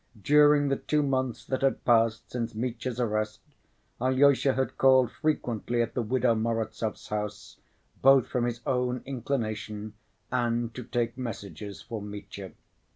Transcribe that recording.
During the two months that had passed since Mitya's arrest, Alyosha had called frequently at the widow Morozov's house, both from his own inclination and to take messages for Mitya.